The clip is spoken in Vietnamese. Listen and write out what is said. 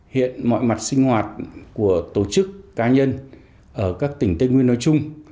hiện mọi mặt sinh hoạt của tổ chức cá nhân ở các tỉnh tây nguyên nói chung